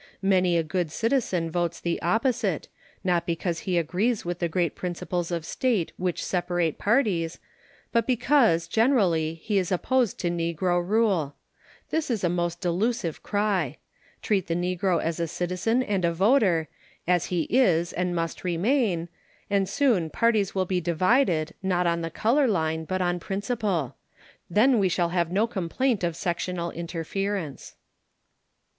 Many a good citizen votes the opposite, not because he agrees with the great principles of state which separate parties, but because, generally, he is opposed to negro rule. This is a most delusive cry. Treat the negro as a citizen and a voter, as he is and must remain, and soon parties will be divided, not on the color line, but on principle. Then we shall have no complaint of sectional interference.